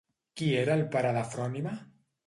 Qui era el pare de Frònime?